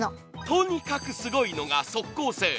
とにかくすごいのが即効性。